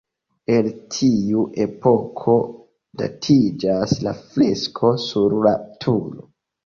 El tiu epoko datiĝas la fresko sur la turo.